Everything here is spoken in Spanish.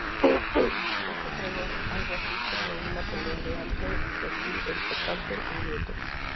Esto creó algo así como una pelea de alto perfil entre Carson y Newton.